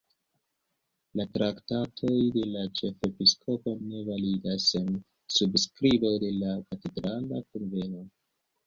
La traktatoj de la ĉefepiskopo ne validas sen subskribo de la katedrala kunveno.